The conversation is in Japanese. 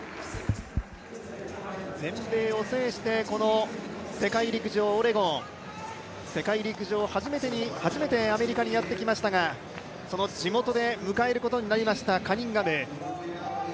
全米を制してこの世界陸上オレゴン、世界陸上初めてアメリカにやってきましたがその地元で迎えることになりましたカニンガム。